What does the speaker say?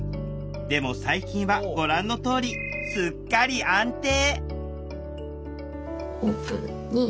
でも最近はご覧のとおりすっかり安定！